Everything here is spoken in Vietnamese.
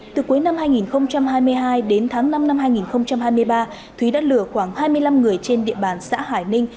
từ cuối năm hai nghìn hai mươi hai đến tháng năm năm hai nghìn hai mươi ba thúy đã lừa khoảng hai mươi năm người trên địa bàn xã hải ninh